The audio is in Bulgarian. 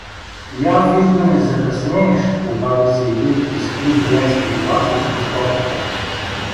Я виж да не закъснееш — обади се един писклив женски глас из ко`торката.